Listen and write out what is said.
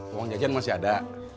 uang jajan masih ada